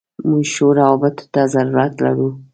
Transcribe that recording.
موږ ښو راوبطو ته ضرورت لرو.